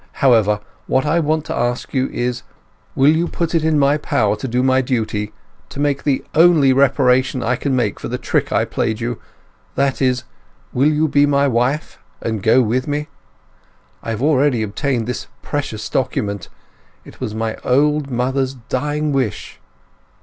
However, what I want to ask you is, will you put it in my power to do my duty—to make the only reparation I can make for the trick played you: that is, will you be my wife, and go with me?... I have already obtained this precious document. It was my old mother's dying wish."